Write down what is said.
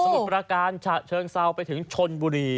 มุดประการฉะเชิงเซาไปถึงชนบุรี